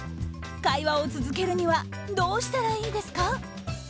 会話を続けるにはどうしたらいいですか？